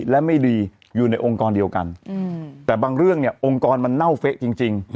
และไม่ดีอยู่ในองค์กรเดียวกันแต่บางเรื่องเนี่ยองค์กรมันเน่าเฟะจริง